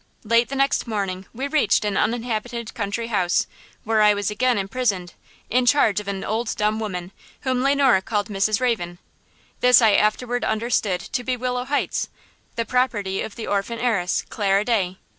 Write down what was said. Late the next morning we reached an uninhabited country house, where I was again imprisoned, in charge of an old dumb woman, whom Le Noir called Mrs. Raven. This I afterwards understood to be Willow Heights, the property of the orphan heiress, Clara Day.